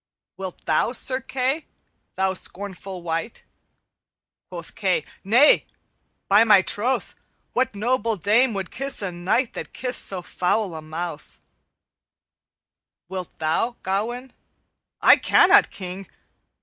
"'Wilt thou, Sir Kay, thou scornful wight?' Quoth Kay, 'Nay, by my troth! What noble dame would kiss a knight That kissed so foul a mouth_?' "'_Wilt thou, Gawaine?' 'I cannot, King.'